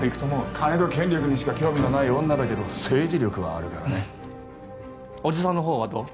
金と権力にしか興味のない女だけど政治力はあるからね叔父さんの方はどう？